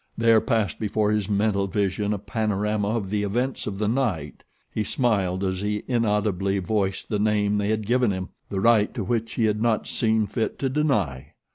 There passed before his mental vision a panorama of the events of the night. He smiled as he inaudibly voiced the name they had given him, the right to which he had not seen fit to deny.